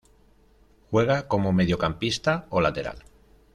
Juega como mediocampista o lateral.